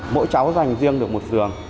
mỗi cháu dành riêng được một giường